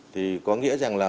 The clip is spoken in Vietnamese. thì có nghĩa rằng là